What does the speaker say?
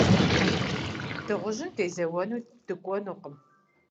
Дыгъужьым дезэуэну дыкӀуэнукъым.